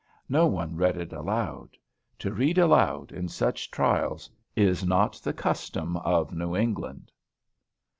No one read it aloud. To read aloud in such trials is not the custom of New England.